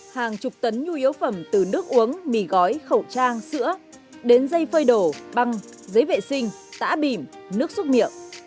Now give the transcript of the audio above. hàng chục tấn nhu yếu phẩm từ nước uống mì gói khẩu trang sữa đến dây phơi đổ băng giấy vệ sinh tã bìm nước xúc miệng